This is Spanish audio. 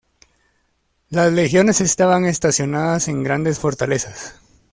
Las Legiones estaban estacionadas en grandes fortalezas.